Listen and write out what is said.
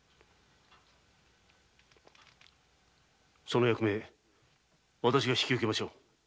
その役私が引き受けましょう。